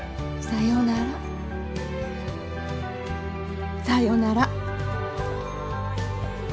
「さよなら、さよなら！」。